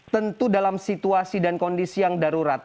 tentu dalam situasi dan kondisi yang darurat